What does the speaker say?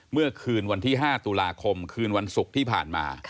เมื่อคืนวันที่๕ตุลาคมคืนวันศุกร์ที่ผ่านมา